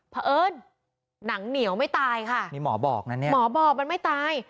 เพราะเอิญหนังเหนียวไม่ตายค่ะนี่หมอบอกนะเนี่ยหมอบอกมันไม่ตาย